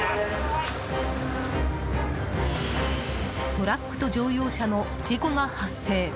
トラックと乗用車の事故が発生。